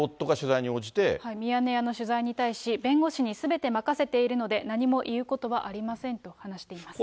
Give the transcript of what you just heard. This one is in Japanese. ミヤネ屋の取材に対し、弁護士にすべて任せているので、何も言うことはありませんと話しています。